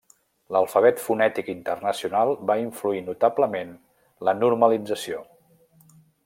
L'Alfabet Fonètic Internacional va influir notablement la normalització.